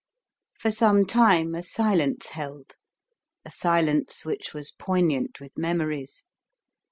For some time a silence held, a silence which was poignant with memories.